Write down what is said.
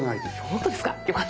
本当ですか？